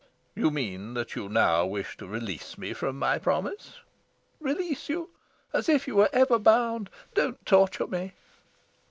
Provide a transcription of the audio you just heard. "You mean that you now wish to release me from my promise?" "Release you? As if you were ever bound! Don't torture me!"